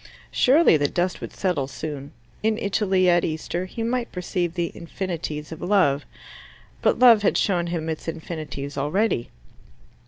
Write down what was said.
Surely the dust would settle soon: in Italy, at Easter, he might perceive the infinities of love. But love had shown him its infinities already.